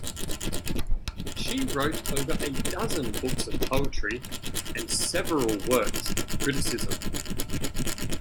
She wrote over a dozen books of poetry and several works of criticism.